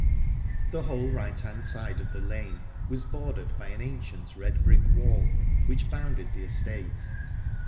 The whole right hand side of the lane was bordered by an ancient, red brick wall which bounded the estate.